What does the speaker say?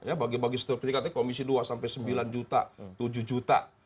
ya bagi bagi setelah ketika tadi komisi dua sampai sembilan juta tujuh juta